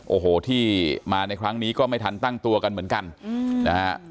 โอ้โหที่มาในครั้งนี้ก็ไม่ทันตั้งตัวกันเหมือนกันนะฮะ